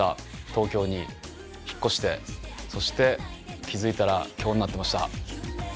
東京に引っ越してそして気付いたら今日になってました。